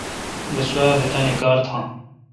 بہ سوا بہ تانی کار تھان